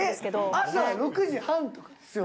朝６時半とかですよね？